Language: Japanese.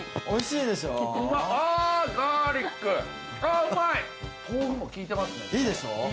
おいしいでしょ？